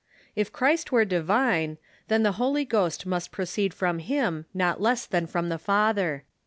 If Christ were divine, then the Holy Ghost must proceed from Him not less than from the Father.